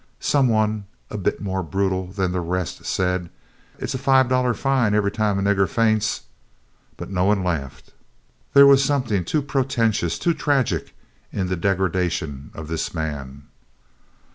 Some one, a bit more brutal than the rest, said, "It 's five dollars' fine every time a nigger faints," but no one laughed. There was something too portentous, too tragic in the degradation of this man.